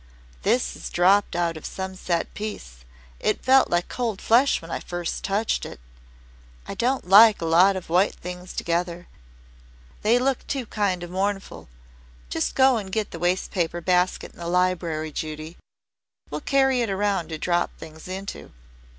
"This has dropped out of some set piece. It felt like cold flesh when I first touched it. I don't like a lot of white things together. They look too kind of mournful. Just go and get the wastepaper basket in the library, Judy. We'll carry it around to drop things into.